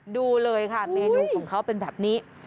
ดูเลยค่ะเมนูของเขาเป็นแบบนี้